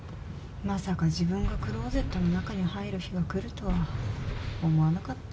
まさか自分がクローゼットの中に入る日が来るとは思わなかった。